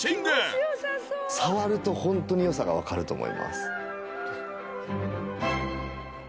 触るとホントに良さがわかると思います。